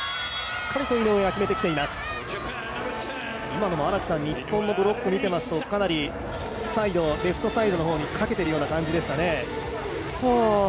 今のも、日本のブロックを見ていますとかなりサイド、レフトサイドの方にかけているような感じでしたね。